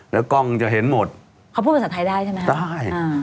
แล้วกล้องจะเห็นหมดเขาพูดภาษาไทยได้ใช่ไหมได้อ่า